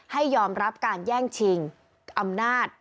ให้ยอมรับการแย่งชิงอำนาจ